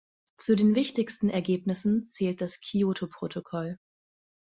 Zu den wichtigsten Ergebnissen zählt das Kyoto-Protokoll.